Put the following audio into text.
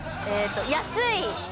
安い。